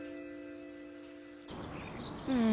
うん。